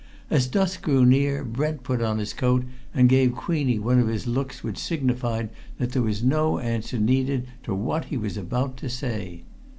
As dusk grew near Brent put on his coat and gave Queenie one of his looks which signified that there was no answer needed to what he was about to say.